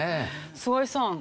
菅井さん。